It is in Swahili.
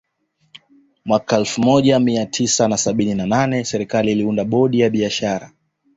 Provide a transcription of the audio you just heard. Mwaka elfu moja mia tisa na sabini na nane serikali iliunda bodi ya biashara